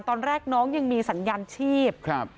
ตอนแรกน้องยังมีสัญญาณชีพครับ